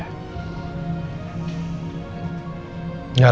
gak lama ga lama